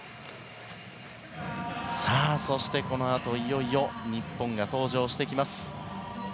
さあ、そしてこのあといよいよ日本が登場してきます。